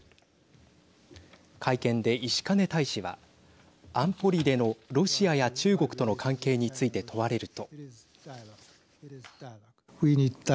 会見で石兼大使は安保理でのロシアや中国との関係について問われると。